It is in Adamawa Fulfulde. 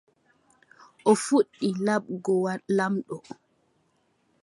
O fuɗɗi laɓgo laamɗo.